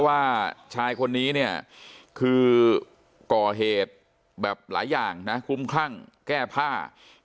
ว่าชายคนนี้เนี่ยคือก่อเหตุแบบหลายอย่างนะคุ้มคลั่งแก้ผ้า